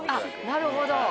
なるほど。